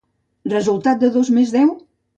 Resultat de dos més deu?